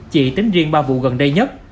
chỉ tính riêng ba vụ gần đây nhất